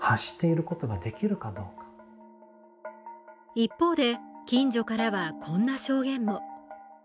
一方で、近所からはこんな証言も。